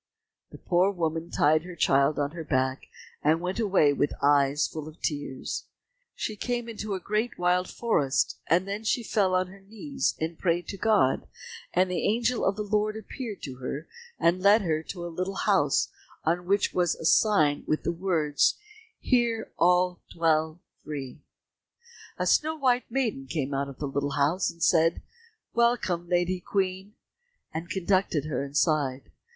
The poor woman tied her child on her back, and went away with eyes full of tears. She came into a great wild forest, and then she fell on her knees and prayed to God, and the angel of the Lord appeared to her and led her to a little house on which was a sign with the words, "Here all dwell free." A snow white maiden came out of the little house and said, "Welcome, Lady Queen," and conducted her inside.